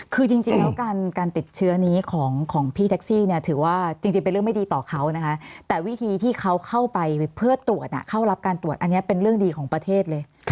คือจริงแล้วการติดเชื้อนี้ของพี่แท็กซี่เนี่ยถือว่าจริงเป็นเรื่องไม่ดีต่อเขานะคะแต่วิธีที่เขาเข้าไปเพื่อตรวจเข้ารับการตรวจอันนี้เป็นเรื่องดีของประเทศเลย